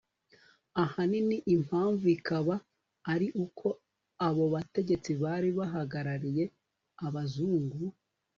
ahanini impamvu ikaba ari uko abo bategetsi bari bahagarariye abazungu